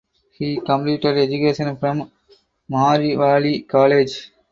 He completed education from Maryvale college.